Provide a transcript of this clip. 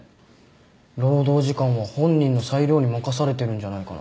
労働時間は本人の裁量に任されてるんじゃないかな。